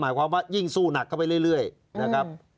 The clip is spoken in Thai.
หมายความว่ายิ่งสู้หนักเข้าไปเรื่อยนะครับ